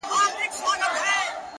خپل فکرونه د عمل لور ته بوځئ،